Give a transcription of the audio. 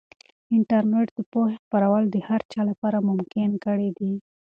انټرنیټ د پوهې خپرول د هر چا لپاره ممکن کړي دي.